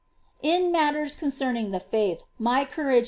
In matters concerninsr the faith, my courage Faith.